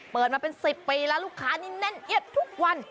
เปิดมาเป็น๑๐ปีแล้วลูกค้านี่แน่นเอียดทุกวัน